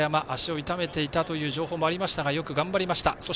足を痛めていたという情報もありましたがよく頑張りました。